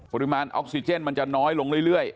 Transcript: ปริมาณออกซิเจนมันจะน้อยลงเรื่อย